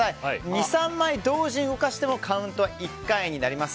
２３枚同時に動かしてもカウントは１回になります。